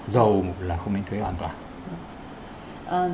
dầu là không đánh thuế hoàn toàn